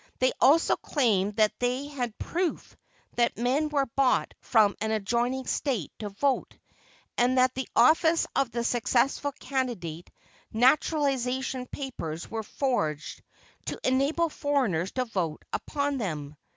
They also claimed that they had proof that men were brought from an adjoining State to vote, and that in the office of the successful candidate naturalization papers were forged to enable foreigners to vote upon them.